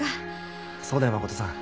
そうだよ誠さん。